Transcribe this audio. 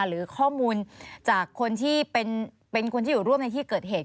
หรือข้อมูลจากคนที่เป็นคนที่อยู่ร่วมในที่เกิดเหตุ